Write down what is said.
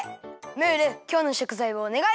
ムールきょうのしょくざいをおねがい！